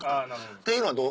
っていうのはどう？